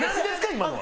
今のは。